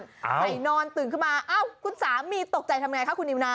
ใส่นอนตื่นขึ้นมาอ้าวคุณสามีตกใจทำไงคะคุณนิวนา